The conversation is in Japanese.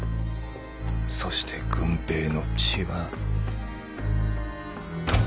そして「郡平」の血は。